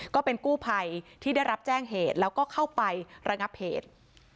ก็เป็นกู้ภัยที่ได้รับแจ้งเหตุแล้วก็เข้าไประงับเหตุ